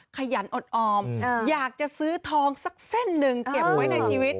ขยันอดออมอยากจะซื้อทองสักเส้นหนึ่งเก็บไว้ในชีวิต